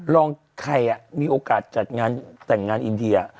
ใครมีโอกาสจัดงานแต่งงานอินเดีย